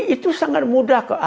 itu sangat mudah